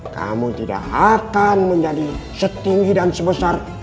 kamu tidak akan menjadi setinggi dan sebesar